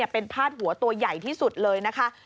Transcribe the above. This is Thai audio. เป็นพาดหัวตัวใหญ่ที่สุดเลยนะคะ